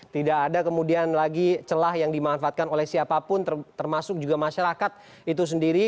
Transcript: tidak ada kemudian lagi celah yang dimanfaatkan oleh siapapun termasuk juga masyarakat itu sendiri